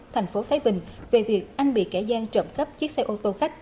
thành phố thái bình về việc anh bị kẻ gian trộm cắp chiếc xe ô tô khách